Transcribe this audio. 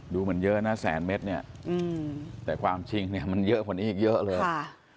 ดูเหมือนเยอะนะแสนเมตรเนี่ยแต่ความจริงเนี่ยมันเยอะกว่านี้อีกเยอะเลย